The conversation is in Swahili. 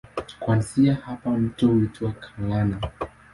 Kuanzia hapa mto huitwa Galana.